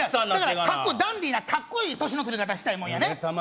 カッコダンディーなカッコいい年の取り方したいもんやねホンマ